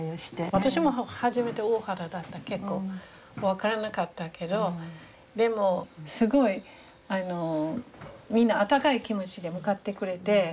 私も初めて大原だった結構分からなかったけどでもすごいみんな温かい気持ちで迎えてくれて。